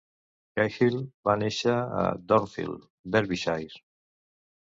Cahill va néixer a Dronfield, Derbyshire.